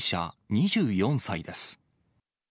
２４歳です。